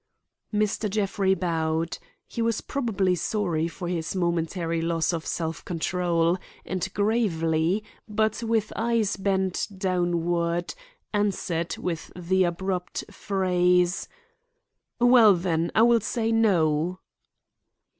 Mr. Jeffrey bowed. He was probably sorry for his momentary loss of self control, and gravely, but with eyes bent downward, answered with the abrupt phrase: "Well, then, I will say no."